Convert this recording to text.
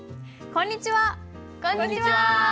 こんにちは！